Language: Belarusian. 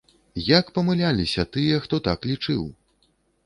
Як памыляліся тыя, хто так лічыў!